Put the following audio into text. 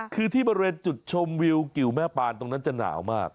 คือที่บริเวณจุดชมวิวกิวแม่ปานตรงนั้นจะหนาวมาก